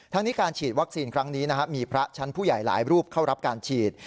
นี้การฉีดวัคซีนครั้งนี้มีพระชั้นผู้ใหญ่หลายรูปเข้ารับการฉีด